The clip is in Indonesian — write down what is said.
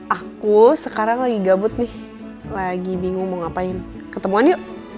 aku sekarang lagi gabut nih lagi bingung mau ngapain ketemuan yuk